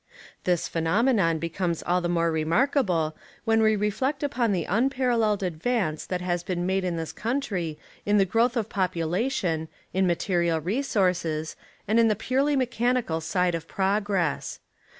This phenomenon becomes all the more re markable when we reflect upon the unparalleled advance that has been made in this country in the growth of population, in material resources, and in the purely mechanical side of progress.